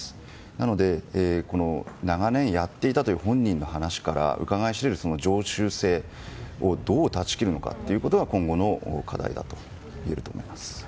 なので、長年やっていたという本人の話からうかがい知れる、その常習性をどう断ち切るのかが今後の課題だといえると思います。